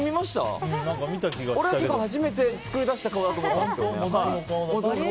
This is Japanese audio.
俺、初めて作り出した顔だと思ったんですけどね。